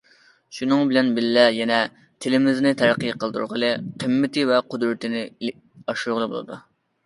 شۇنىڭ بىلەن بىللە يەنە، تىلىمىزنى تەرەققىي قىلدۇرغىلى، قىممىتى ۋە قۇدرىتىنى ئاشۇرغىلى بولىدۇ.